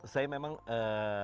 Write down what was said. saya memang ee